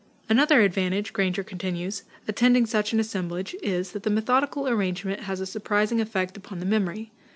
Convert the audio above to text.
"Another advantage," Granger continues, "attending such an assemblage is, that the methodical arrangement has a surprising effect upon the memory.